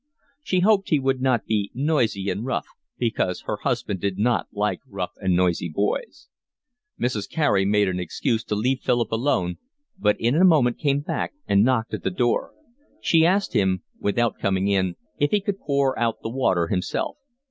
She hoped he would not be noisy and rough, because her husband did not like rough and noisy boys. Mrs. Carey made an excuse to leave Philip alone, but in a moment came back and knocked at the door; she asked him, without coming in, if he could pour out the water himself.